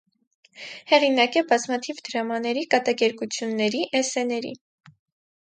Հեղինակ է բազմաթիվ դրամաների, կատակերգությունների, էսսեների։